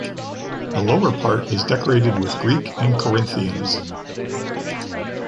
The lower part is decorated with Greek and Corinthians.